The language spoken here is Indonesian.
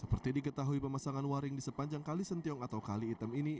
seperti diketahui pemasangan waring di sepanjang kali sentiong atau kali item ini